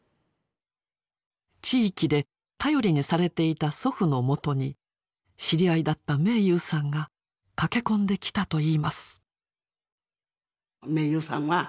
地域で頼りにされていた祖父のもとに知り合いだった明勇さんが駆け込んできたといいます。